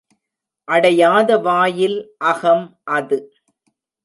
அடையாத வாயில் அகம் அது.